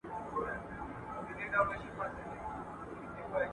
ژړا دي ورکه سي ژړا نه کوم